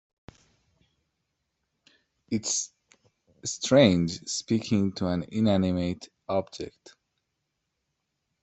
It's strange speaking to an inanimate object.